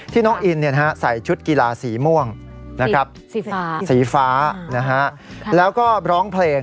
น้องอินใส่ชุดกีฬาสีม่วงสีฟ้าแล้วก็ร้องเพลง